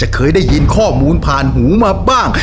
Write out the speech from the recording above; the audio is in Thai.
เคยได้ยินข้อมูลผ่านหูมาบ้าง